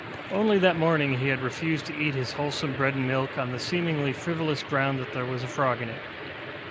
Only that morning he had refused to eat his wholesome bread and milk on the seemingly frivolous ground that there was a frog in it.